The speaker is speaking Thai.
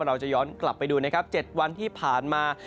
เราจะย้อนกลับไปดูนะครับ๗วันที่ผ่านมา